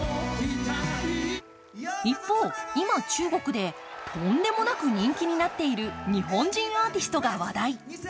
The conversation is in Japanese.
一方、今中国でとんでもなく人気になっている日本人アーティストが話題。